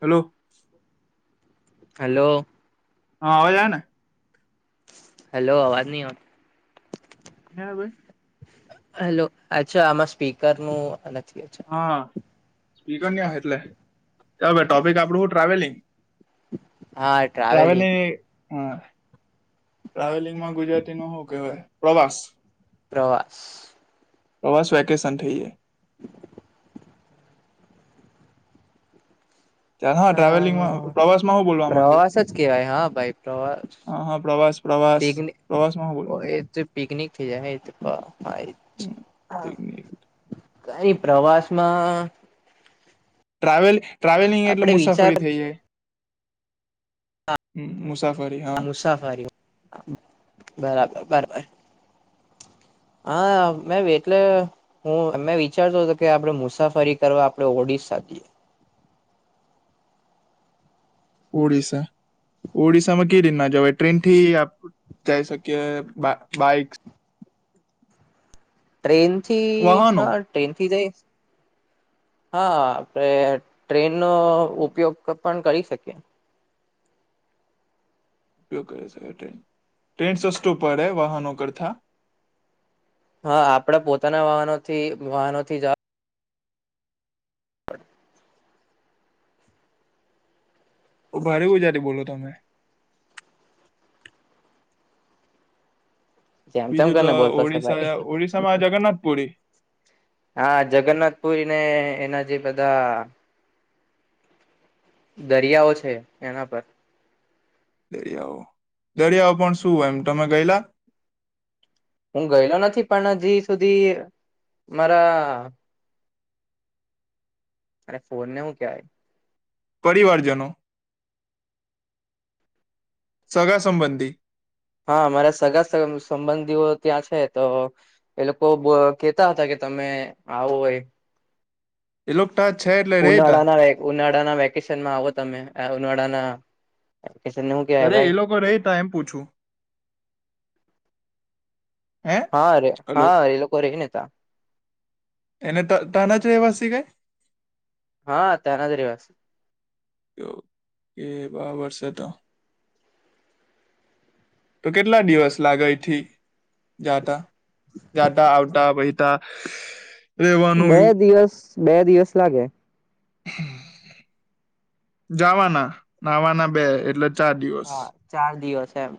Hello. Hello. હા આવાજ આય ને. હલો અવાજ નહી આવતો ના ભાઈ. હેલો અચ્છા આમાં સ્પીકર નું નથી. હા સ્પીકર નહી એટલે વે ટોપિક આપડું હું ટ્રાવેલિંગ. હા ટ્રાવેલિંગ હા ટ્રાવેલિંગમાં ગુજરાતી નો શું કહેવાય? પ્રવાસ. પ્રવાસ. પ્રવાસ વેકેશન થઈ જાય. ચાલ હ હા ટ્રાવેલિંગમાં પ્રવાસમાં શું બોલવા માંગે પ્રવાસ જ કેવાય હા ભાઈ પ્રવાસ. હા હા પ્રવાસ પ્રવાસ પિકનીક પ્રવાસમાં શું બોલવા એ તો. પિકનિક થઈ જાય હાય. હમ, પિકનિક. કાઈ પ્રવાસ માં. ટ્રાવેલ ટ્રાવેલિંગ એટલે આપડે વિચાર મુસાફરી થઈ જાય. હમ મુસાફ મુસાફરી બરાબર બરાબર. હા મેં વેટલે. હું અમે વિચારતો હતો કે આપડે મુસાફરી કરવા આપડે ઓડિસ્સા જઈએ. ઓડિસ્સા. ઓડિશામાં કે રીત ના જવાય? ટ્રેન થી આપ જઈ શકીએ બાઈક ટ્રેનથી વાહનો હા ટ્રેનથી જઈશ હા આપડે ટ્રેનનો ઉપયોગ તો પણ કરી શકીએ. ઉપયોગ કરી શ ટ્રે ટ્રેન સસ્તુ પડે વાહનો કરતા. હા આપડે પોતાના વાહનોથી વાહનોથી જ ભારે ઉજાથી બોલો તમે. જેમ તેમ બીજું તો કરીને બોલતો છે ભાઈ. ઓડિશા ઓડિશામાં જગન્નાથપુરી હા જગન્નાથ પુરીને એના જે બધા દરિયાઓ છે એના પર દરિયાઓ દરિયાઓ પણ શુંય એમ તમે ગયેલા? હું ગયેલો નથી પણ હજી સુધી મારા અરે ફોન ને હું કેવાય? પરિવારજનો સગાસંબંધી. હા મારા સગા સંબંધીઓ ત્યાં છે તો. એ લોકો કેતા હતા કે તમે આવો હોય. એઇલોક્ટા છે. એટલે રેતા ઉનાળાના ઉનાળાના વેકેશનમાં આવો તમે ઉનાળાના. વેકેશન ને હું કેવાય અરે ભાઈ એ લોકો રે તા એમ પૂછું. હે હા રે હલો હા એ લોકો રે ને તા એને ત તાના જ રહેવાસી કે? હા ત્યાંના જ રેવાસી. કે કે બરાબર સે તો. તો કેટલા દિવસ લાગે એયથી જાતા જાતા આવતા વહીતા. [unintelligible] બે એવું દિવસ બે દિવસ લાગે. જવાના આવના બે એટલે ચાર દિવસ હા ચાર દિવસ એમ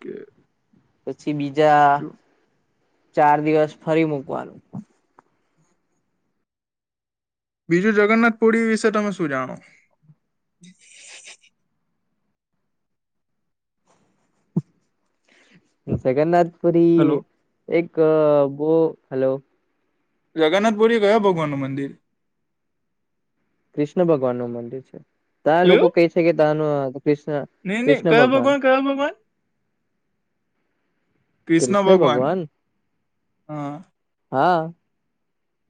કે પછી બીજા જો ચાર દિવસ ફરી મૂકવાનું. બીજું જગન્નાથપુરી વિશે તમે શું જાણો? જગન્નાથપુરી હલો એક બો હેલો જગન્નાથપુરી કયા ભગવાનનું મંદિર? કૃષ્ણ ભગવાન નું મંદિર છે ત્યાં લોકો કહે છે કે ત્યાંનું કૃષ્ણ નહી ની કયા ભગવાન કયા ભગવાન? કૃષ્ણ ભગવાન હા હા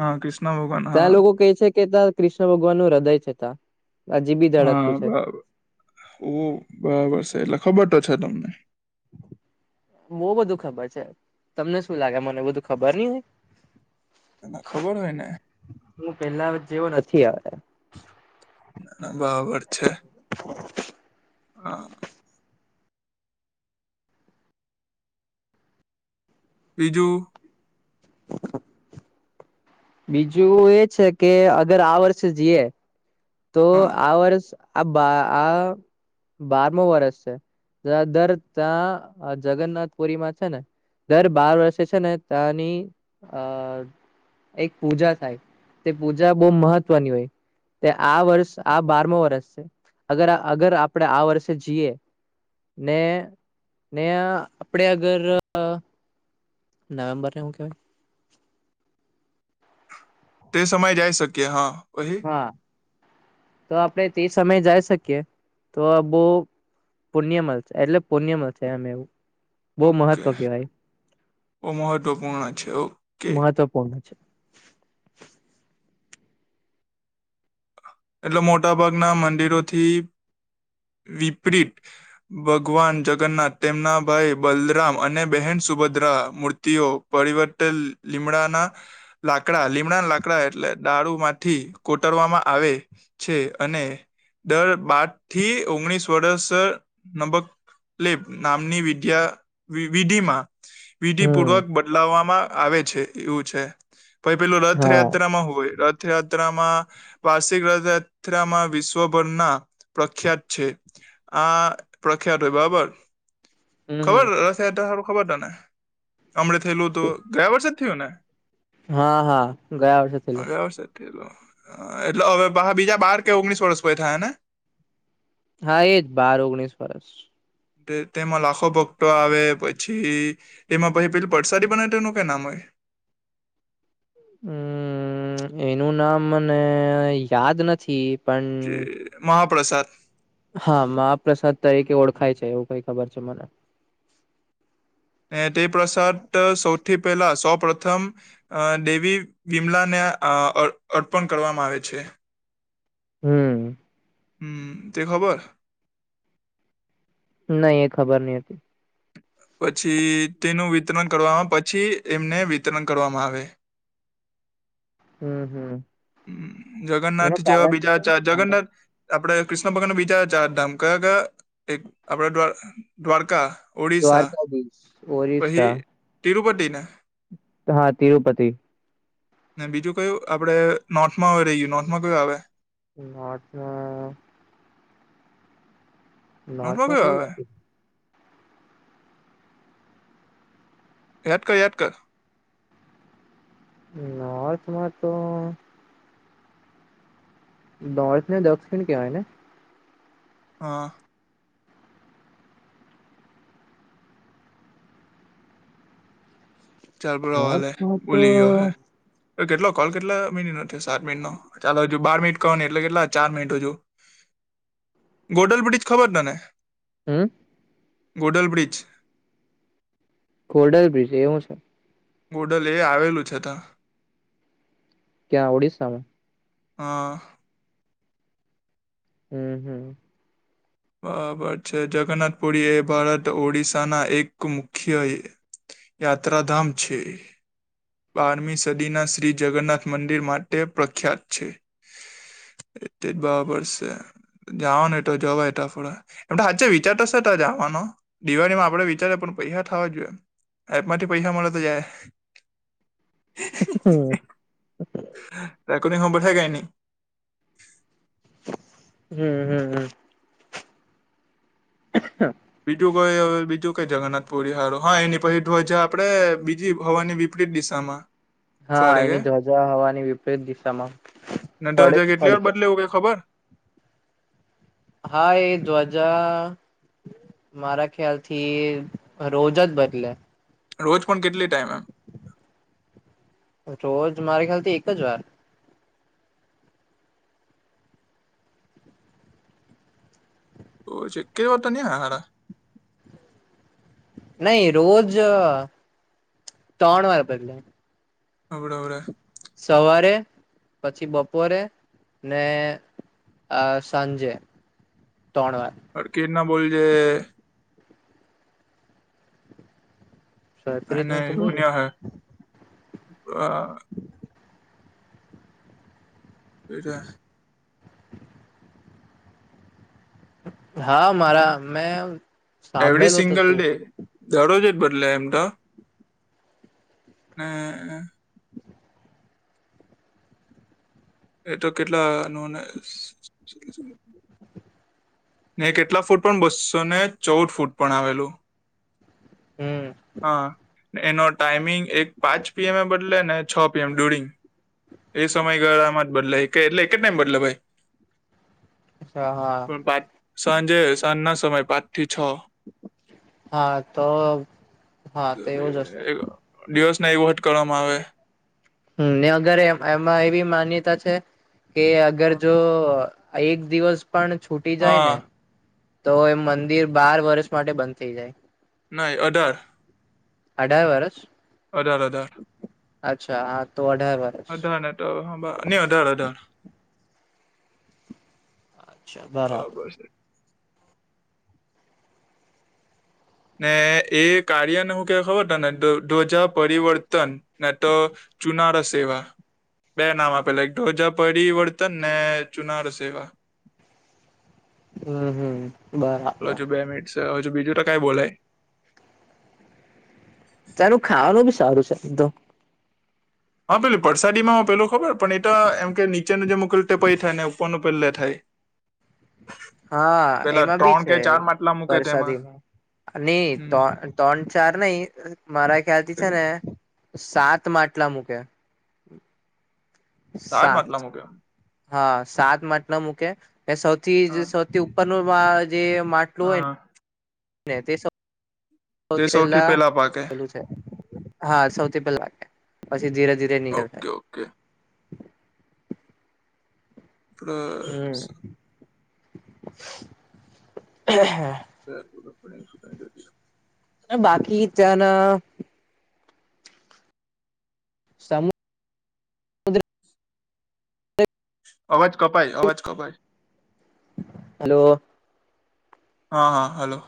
હા કૃષ્ણ ભગવાન. ત્યાં હા લોકો કેહે છે કે ત્યા કૃષ્ણ ભગવાન નું હૃદય છે ત્યાં હજી બી હા ધડકતું છે. બરાબર ઓ બરાબર છે એટલે ખબર તો છે તમને બો બધું ખબર છે તમને શું લાગે મને બધું ખબર નહી હોય એને ખબર હોય ને હું પેલા જેવો નથી અવે. બરાબર છે હા. બીજું બીજું એ છે કે અગર આ વર્ષે જઈએ તો હા આ વર્ષ આ બા આ બારમો વર્ષ છે દર દર ત્યાં જગન્નાથ પુરીમાં છે ને દર બાર વર્ષે છે ને ત્યાની આ એક પૂજા થાય. તે પૂજા બહુ મહત્વની હોય. તે આ વર્ષ આ બારમો વર્ષ છે અગર અગર આપણે આ વર્ષે જઈએ. ને ને આપણે અગર નવમ્બરને હું કે વાય તે સમય જઈ શકીએ હા પહી હા તો આપડે તે સમય જઈ શકીએ તો બો પુણ્યમલ છે એટલે પુણ્ય મલસે એમ એવું બહુ ઓકે મહત્વ કેવાય બહુ મહત્વપૂર્ણ છે ઓકે મહત્વપૂર્ણ છે. એટલે મોટા ભાગના મંદિરોથી વિપરીત ભગવાન જગન્નાથ તેમના ભાઈ બલરામ અને બહેન સુભદ્રા મૂર્તિઓ પરિવર્તન લીમડાના લાકડા લીમડા લાકડા એટલે દારૂ માંથી કોટરવામાં આવે. છે અને દર બાર થી ઓગણીસ વર્ષ નબક લેપ નામની વિદ્યા વિધિમાં વિધિ હમ પૂર્વક બદલાવામાં આવે છે એવું છે. પહી પેલું હા રથયાત્રામાં હોય રથયાત્રામાં વાર્ષિક રથ રયાત્રામાં વિશ્વભરમાં પ્રખ્યાત છે. આ પ્રખ્યાત હોય બરાબર ખબર હમ રથયાત્રા હારું ખબર તને? હમણે થયેલું તો ગયા વર્ષે જ થય ને. હા હા ગયા વર્ષે થયેલું. ગયા વર્ષે જ એટલે હવે બીજા બાર કે ઓગણીસ વર્ષ થાય ને. હા એજ બાર ઓગણીસ વર્ષ. તેમાં લાખો ભક્તો આવે પછી તેમાં પછ પેલું પર્સાદી બનાવે તેનું કઈ નામ હોય. હમ્મ એનું નામ મને યાદ નથી. પણ જ મહાપ્રસાદ. હા મહપ્રસાદ તરીકે ઓળખાય છે એવું કઈ ખબર છે મને. તે પ્રસાદ સૌથી પહેલા સૌ પ્રથમ. અ દેવી બીમલા ને અ અર્પણ કરવામાં આવે છે. હમ્મ. હમ્મ તે ખબર. નહી એ ખબર ની હતી. પછી તેનું વિતરણ કરવામાં પછી એમને વિતરણ કરવામાં આવે. હમ્મ હમ્મ. હ જગન્નાથ જેવા બીજા જ કારણ જગન્નાથ. આપડે ક્રિશ્ન ભગાન બીજા ચારધામ કયા કયા એક આપડે દ્વા દ્વારકા. ઓડિશા દ્વારકાધીશ, ઓરિસા. તિરરૂપતિ ને. હા તિરુપતિ. ને બીજું કયું આપડે નોર્થમાં હવે રહી ગયું નોર્થમાં કયું આવે? નોર્થ માં. નોર્થમાં કયું નથી. યાદ કર યાદ કર. નોર્થમાં તો. નોર્થ ને દક્ષિણ કેવાય ને? હા. ચાલ તુ રેવા લે નોર્થમાં તો ભુલી ગયો હોય ઓય કેટલો કોલ કેટલા મિનિનો થિયો સાત મિનિનો. ચાલો હજુ બાર મિટ કરવાની ને એટલે કેટલા ચાર મિનટ હજુ. ગોડલ બ્રિજ ખબર તને? હમ્મ. ગોડલ બ્રિજ. ખોડલ બ્રિજ એ હું છે. ગોડલ એ આવેલું છે તા. ક્યાં ઓડિશામા. હા. હમ્મ હમ્મ. બરાબર છે જગન્નાથપુરી એ ભારત ઓડિસાના એક મુખ્ય યાત્રાધામ છે. બારમી સદીના શ્રી જગન્નાથ મંદિર માટે પ્રખ્યાત છે. તેજ બરાબર છે જવાના હોય તો જવાય. તખુદે એમ હાચે વિચાર તો છે તાં જવાનો દિવાળીમાં આપડે વિચારિયે પણ પૈસા થવા જોઈએ. એપમાંથી પૈહા મળે તો જાય. હા. ત કોની ખ બેઠા કે ની. હમ્મ હમ્મ હમ્મ. ઠીક [unintelligible] છે. [unintelligible] બીજું કોઈ હવે બીજું કઈ જગનાથ. પુરી હારુ હા એની પછી ધ્વજા આપડે બીજી હવાની વિપરીત દિશામાં. હા ફરે કે એની ધ્વજા હવાની વિપરીત દિશામાં. ને ધ્વજા ફડ કેટલી વાર ફડકે બદલે એવું કઇ ખબર. હા એ ધ્વજા મારા ખ્યાલ થી રોજ જ બદલે. રોજ પણ કેટલી ટાઈમ એમ? રોજ મારી ખ્યાલથી એક જ વાર. ઓ છે કે વારતા ન હ હારા. નહી રોજ ત્રણ વાર બદલે. અડાડા. [unintelligible] સવારે પછી બપોરે અને આ સાંજે ત્રણવાર. અટકી ના બોલજે. સરખી અને રીતના તો બોયલો નિયા હ. એટા. હા મારા મેં હ એવરી સાંભળેલું તો સિંગલ તું ડે. દરરોજ જ બદલે એમ તો ને. એ તો કેટલાનુંને ને કેટલા ફૂટ પણ બસો ને ચૌદ ફૂટ પણ આવેલું. હમ હા. એનો ટાાઈમિંગ એક પાંચ પીએમ એ બદલે ને છ પીએમ ડ્યુરિંગ એ સમયગાળામાં જ બદલાય કે એટલે કેટ ટાઇમ બદલે ભાઈ. અચ્છા હા. પણ પાંચ સાંજે સાંજ ના સમય પાંચ થી છ. હા તો હા તો એવું જ હશે. દિવસ ના એવો હટ કરવામાં આવે. હ ને અગર એમાં એવી માન્યતા છે કે અગર જો એક દિવસ પણ છૂટી જાય ને હા તો એ મંદિર બાર વર્ષ માટે બંધ થઇ જાય. નહી અઢાર. અઢાર વર્ષ! અઢાર અઢાર. અચ્છા હા તો અઢાર વર્ષ. અઢાર ને તો નહી અઢાર અઢાર. અચ્છા બરાબર. ને એ કાર્યને હું ક ખબર ત ને ધ્વજા પરિવર્તન ને તો ચુનાાર સેવા. બે નામ આપેલા એક ધ્વજા પરિવર્તન ને ચુનાર સેવા. હમ્મ હમ્મ. હ હજુ બે મિટ હજુ બીજું તો કઈ બોલાય. તારું ખાવાનું બી સારું છે બધું. હા પેલું પરસાદી માં હ પેલું ખબર પણ એ તો એમ કે નીચેનું જે મ મુકેલું પય થાય ને ઉપરનું પહેલા થાય. હા પેલા એમાં બી ત્રણ છે કે ચાર માટલા મૂકે તેમાં પ્રસાદી. નહી હમ ત્રણ ચાર નહી મારા ખ્યાલ થી છે કેટલું? ને સાત માટલા મૂક્યા સાત માટલા મૂકે હા સાત માટેટ ન મૂકે એ સૌથી હા સૌ તે ઉપરનું જે મા હા તે [inaudible] તે સૌથી પહેલા પેલા પાકે પલું છે હા સૌથી પેલા પછી ધીરે ધીરે નીકળ ઓકે થાય. ઓકે હમ્મ હ. [inaudible] બાકી જના સમ અવાજ કપાઈ અવાજ કપાઈ. હલો. હા હા હલો.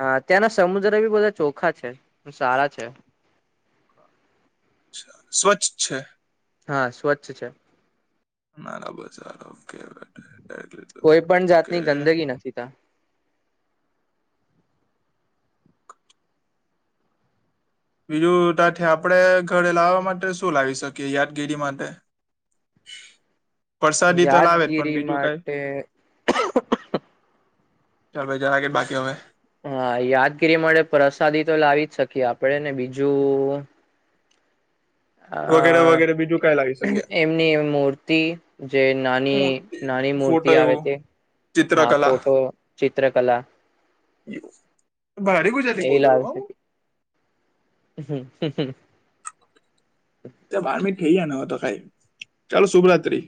હા ત્યાંના સમુદ્ર બી બધા ચોખા છે સારા છે ા સ્વચ્છ છે હા સ્વચ્છ છે નારાબર સારબ [inaudible] કોઈ પણ જાતની ગંદગી નથી બીજું ત્યાથી આપડે ઘરે લાવવા માટે શું લાવી શકીએ યાદગીરી માટે [inaudible] ત્યાં વરસાદી તો લાવે જ પણ યાદગીરી બીજું કઈ માટે ચાલ ભાઈ જરા કે બાકીઓં હા યાદગીરી મળે પ્રસાદી તો લાવી જ શકીએ આપડે ને બીજું અ વગેરે વગેરે બીજું કઈ લાવી શકીએ એમની મૂર્તિ જે નાની મૂર્તિ નાની ફોટો મૂર્તિ આવે એવું છે હા ચિત્રકલા ફોટો ચિત્રકલા [inaudible] બડી કો એ લ શકે હ હમ હ ત્યા બાર મી થઈયા ન તો ખાઈ ચાલ શુભરાત્રી